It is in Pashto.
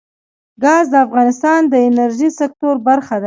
ګاز د افغانستان د انرژۍ سکتور برخه ده.